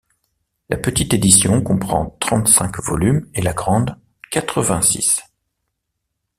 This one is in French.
La petite édition comprend trente-cinq volumes et la grande quatre-vingt-six.